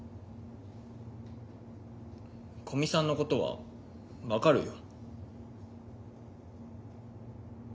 古見さんのことは分かるよ。